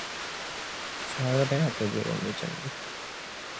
You "can" do all these things.